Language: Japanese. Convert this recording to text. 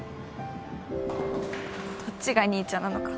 どっちが兄ちゃんなのか